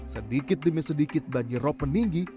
sedikit demi sedikit banjir rop meninggi